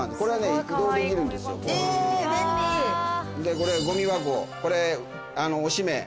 これゴミ箱これおしめ。